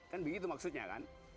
kan begitu maksudnya kan